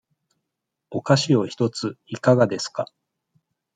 お菓子を一ついかがですか。